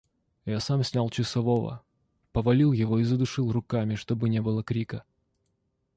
Я сам снял часового: повалил его и задушил руками, чтобы не было крика.